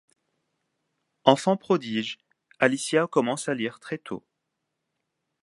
Enfant prodige, Alicia commence à lire très tôt.